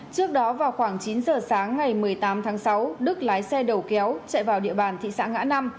trước đó vào khoảng chín giờ sáng ngày một mươi tám tháng sáu đức lái xe đầu kéo chạy vào địa bàn thị xã ngã năm